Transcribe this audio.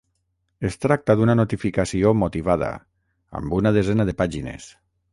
Es tracta d’una notificació motivada, amb una desena de pàgines.